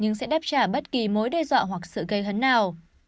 nhưng sẽ đáp trả bất kỳ mối đe dọa hoặc sự gây hấn nào